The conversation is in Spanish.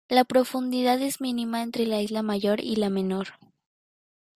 La profundidad es mínima entre la isla mayor y la menor.